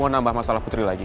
mau nambah masalah putri lagi